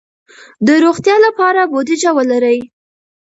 د روغتیا لپاره بودیجه ولرئ.